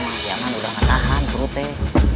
dia kan udah gak tahan perutnya